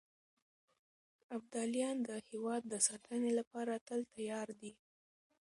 ابداليان د هېواد د ساتنې لپاره تل تيار دي.